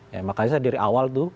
ya makanya saya dari awal tuh